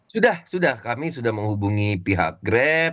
sudah sudah kami sudah menghubungi pihak grab